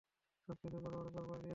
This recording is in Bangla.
সবকিছু গড়গড় করে বলে দিয়েছো?